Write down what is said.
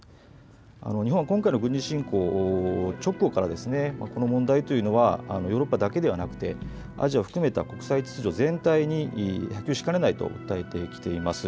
日本は今回の軍事侵攻直後からこの問題というのはヨーロッパだけではなくてアジアを含めた国際秩序全体に波及しかねないと訴えてきています。